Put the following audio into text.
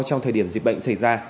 trong thời điểm dịch bệnh xảy ra